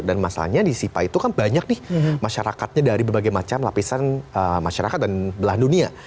dan masalahnya di sipa itu kan banyak nih masyarakatnya dari berbagai macam lapisan masyarakat dan belahan dunia